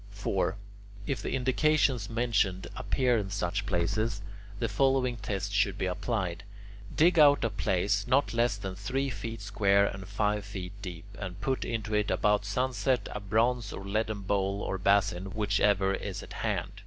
4. If the indications mentioned appear in such places, the following test should be applied. Dig out a place not less than three feet square and five feet deep, and put into it about sunset a bronze or leaden bowl or basin, whichever is at hand.